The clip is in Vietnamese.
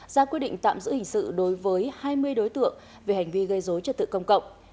ra quyết định tạm giữ hình sự đối với hai mươi đối tượng về hành vi gây dối trật tự công cộng